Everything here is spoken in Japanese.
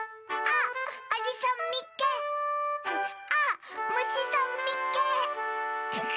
あっむしさんみっけ！